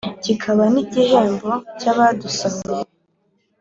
kikaba n’igihembo cy’abadusahura.